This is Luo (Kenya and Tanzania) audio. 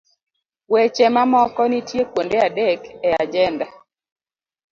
Weche mamoko nitie kuonde adek e ajenda